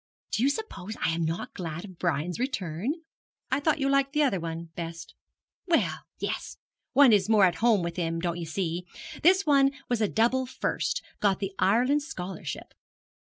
'Do you suppose I am not glad of Brian's return?' 'I thought you liked the other one best?' 'Well, yes; one is more at home with him, don't you see. This one was a double first got the Ireland Scholarship.